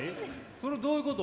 それどういうこと？